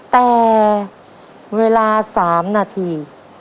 แต่เวลา๓นาที